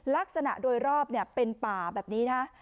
ลักษณะโดยรอบเป็นป่าแบบนี้นะ